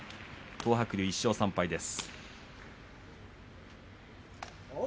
東白龍、１勝３敗です。